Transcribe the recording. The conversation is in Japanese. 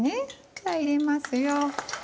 じゃあ入れますよ。